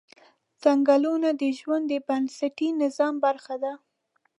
ځنګلونه د ژوند د بنسټي نظام برخه ده